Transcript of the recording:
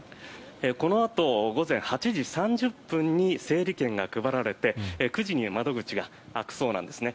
このあと午前８時３０分に整理券が配られて、９時には窓口が開くそうなんですね。